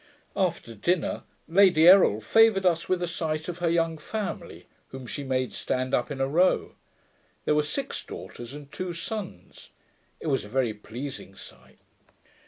After dinner, Lady Errol favoured us with a sight of her young family, whom she made stand up in a row. There were six daughters and two sons. It was a very pleasing sight.